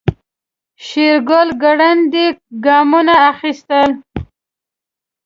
شېرګل ګړندي ګامونه اخيستل.